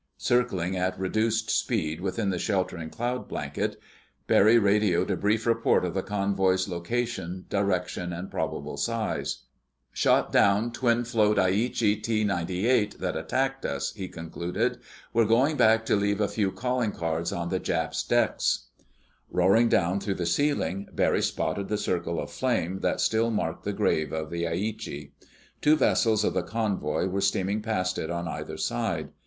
Circling at reduced speed within the sheltering cloud blanket, Barry radioed a brief report of the convoy's location, direction, and probable size. "Shot down twin float Aichi T98 that attacked us," he concluded. "We're going back to leave a few calling cards on the Jap's decks." Roaring down through the ceiling, Barry spotted the circle of flame that still marked the grave of the Aichi. Two vessels of the convoy were steaming past it on either side.